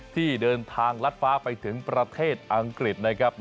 ที่เดินทางลัดฟ้าไปถึงประเทศอังกฤษนะครับ